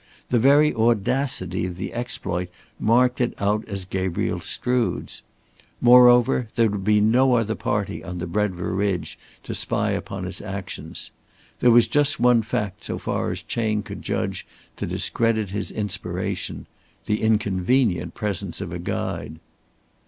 The very audacity of the exploit marked it out as Gabriel Strood's. Moreover, there would be no other party on the Brenva ridge to spy upon his actions. There was just one fact so far as Chayne could judge to discredit his inspiration the inconvenient presence of a guide.